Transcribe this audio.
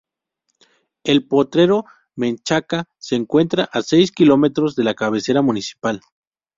El Potrero Menchaca, se encuentra a seis kilómetros de la cabecera municipal.